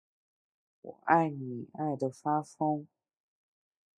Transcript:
我爱你爱的发疯